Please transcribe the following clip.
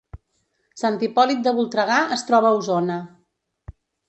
Sant Hipòlit de Voltregà es troba a Osona